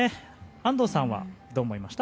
安藤さんは、どう思いました？